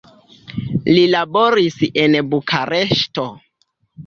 Li laboris en Bukareŝto.